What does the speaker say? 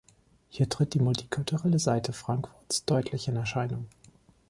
Hier tritt die multikulturelle Seite Frankfurts deutlich in Erscheinung.